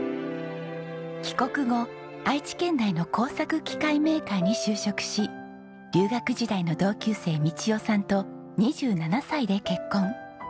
帰国後愛知県内の工作機械メーカーに就職し留学時代の同級生三千代さんと２７歳で結婚。